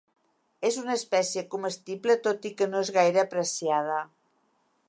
És una espècie comestible tot i que no és gaire apreciada.